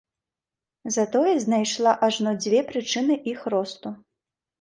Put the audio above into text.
Затое знайшла ажно дзве прычыны іх росту.